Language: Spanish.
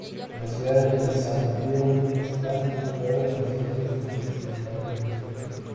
La ciudad de Saint-Pierre está clasificada en Ciudades y Países de Arte e Historia.